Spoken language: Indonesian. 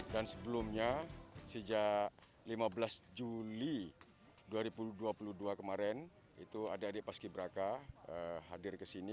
dan sebelumnya sejak lima belas juli dua ribu dua puluh dua kemarin itu ada adik pas ki braka hadir ke sini